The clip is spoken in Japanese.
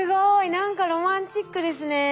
何かロマンチックですね。